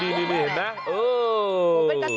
ดีเห็นไหม